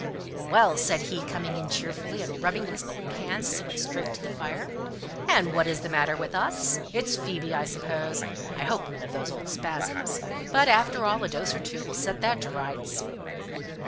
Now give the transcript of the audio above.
"Well!" said he, coming in cheerfully, and rubbing his cold hands as he went straight to the fire, "and what is the matter with us? It's Phoebe, I suppose? I hope none of those old spasms? But, after all, a dose or two will set that to rights."